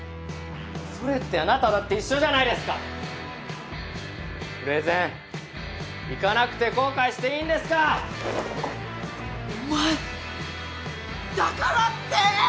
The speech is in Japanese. それってあなただって一緒じゃないですかプレゼン行かなくて後悔していいんですか⁉お前だからって！